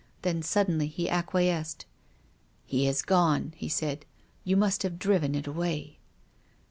Then suddenly he acquiesced. " It has gone," he said. " You have driven it away."